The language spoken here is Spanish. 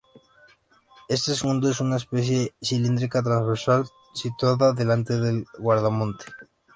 Este seguro es una pieza cilíndrica transversal situada delante del guardamonte.